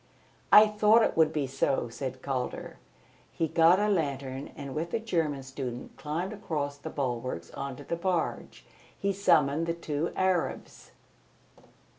"I thought it would be so," said Calder. He got a lantern and with the German student climbed across the bulwarks on to the barge. He summoned the two Arabs.